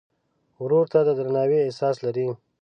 ورور ته د درناوي احساس لرې.